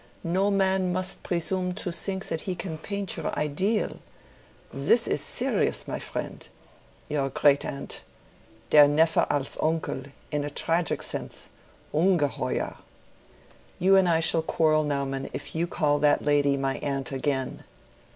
No man must presume to think that he can paint your ideal. This is serious, my friend! Your great aunt! 'Der Neffe als Onkel' in a tragic sense—ungeheuer!" "You and I shall quarrel, Naumann, if you call that lady my aunt again."